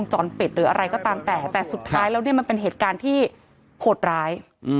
จรปิดหรืออะไรก็ตามแต่แต่สุดท้ายแล้วเนี่ยมันเป็นเหตุการณ์ที่โหดร้าย